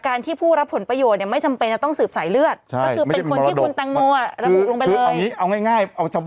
คือคือคือคือคือ